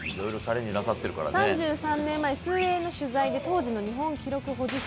３３年前、水泳の取材で当時の日本記録保持者